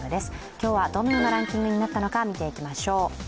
今日はどのようなランキングになったのか、見ていきましょう。